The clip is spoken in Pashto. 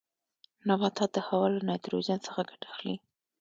نباتات د هوا له نایتروجن څخه ګټه اخلي.